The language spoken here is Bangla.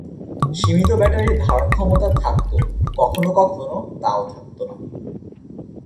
সীমিত ব্যাটারির ধারণ ক্ষমতা থাকত কখনো কখনো তাও থাকত না।